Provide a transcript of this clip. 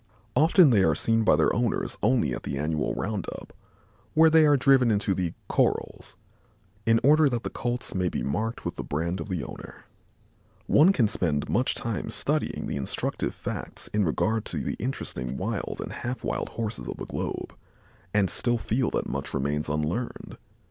Ofter they are seen by their owners only at the annual "round up," when they are driven into the "corrals" in order that the colts may be marked with the brand of the owner. One can spend much time studying the instructive facts in regard to the interesting wild and half wild Horses of the globe, and still feel that much remains unlearned.